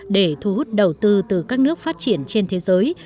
để thu hút đầu tư từ các nước phát triển trên thế giới